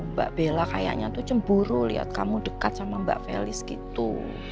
mbak bella kayaknya tuh cemburu liat kamu deket sama mbak felis gitu